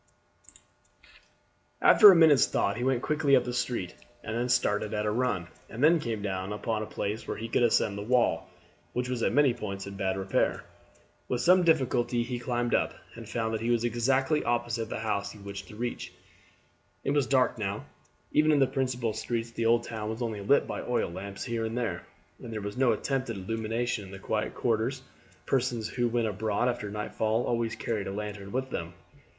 After a minute's thought he went quickly up the street, and then started at a run, and then came down upon a place where he could ascend the wall, which was at many points in bad repair. With some difficulty he climbed up, and found that he was exactly opposite the house he wished to reach. It was dark now. Even in the principal streets the town was only lit by oil lamps here and there, and there was no attempt at illumination in the quiet quarters, persons who went abroad after nightfall always carrying a lantern with them.